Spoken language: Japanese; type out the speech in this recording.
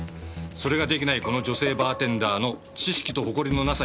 それが出来ないこの女性バーテンダーの知識と誇りのな